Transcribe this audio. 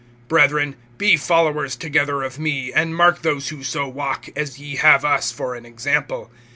(17)Brethren, be followers together of me, and mark those who so walk, as ye have us for an example.